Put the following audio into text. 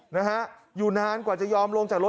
นะฮะอยู่นานกว่าจะยอมลงจากรถ